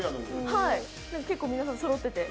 結構、皆さんそろってて。